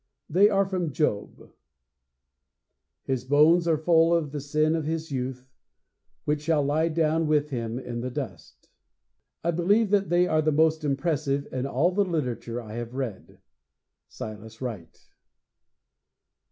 They are from Job: "His bones are full of the sin of his youth, which shall lie down with him in the dust." I believe that they are the most impressive in all the literature I have read. Silas Wright.'